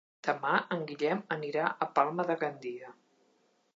Demà en Guillem anirà a Palma de Gandia.